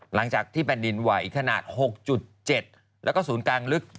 หลังจากที่แผ่นดินไหวขนาด๖๗แล้วก็ศูนย์กลางลึก